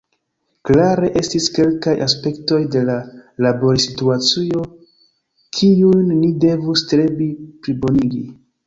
Klare estis kelkaj aspektoj de la laborsituacio, kiujn ni devus strebi plibonigi.